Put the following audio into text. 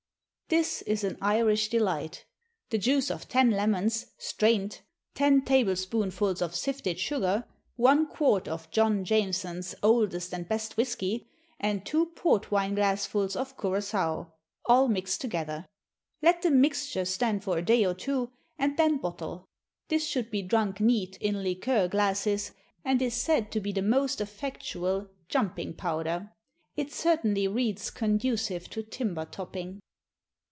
_ This is an Irish delight. The juice of ten lemons, strained, ten tablespoonfuls of sifted sugar, one quart of John Jameson's oldest and best whisky, and two port wine glassfuls of curaçoa, all mixed together. Let the mixture stand for a day or two, and then bottle. This should be drunk neat, in liqueur glasses, and is said to be most effectual "jumping powder." It certainly reads conducive to timber topping.